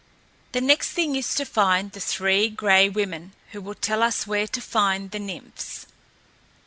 The next thing is to find the Three Gray Women, who will tell us where to find the Nymphs."